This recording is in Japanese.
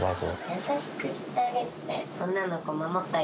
優しくしてあげて。